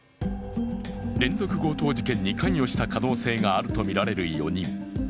連続強盗事件に関与した可能性があるとみられる４人。